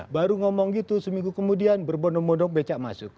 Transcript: baru ngomong gitu seminggu kemudian berbondong bondong becak masuk